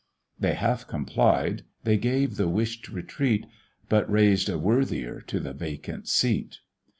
They half complied, they gave the wish'd retreat, But raised a worthier to the vacant seat.